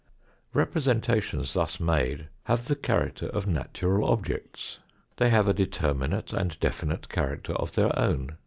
Representations thus made have the character of natural objects; they have a determinate and definite character of their own.